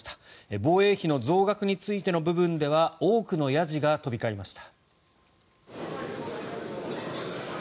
防衛費の増額についての部分では多くのやじが飛び交いました。